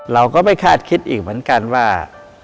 เราก็ไม่คาดคิดอีกเหมือนกันว่า